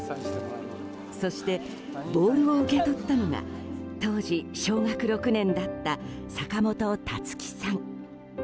そして、ボールを受け取ったのが当時小学６年だった坂本樹さん。